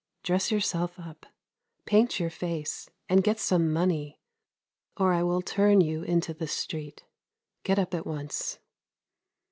Dress yourself up, paint your face, and get some money, or I will turn you into the street. Get up at once!